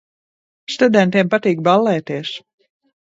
Studentiem patīk ballēties.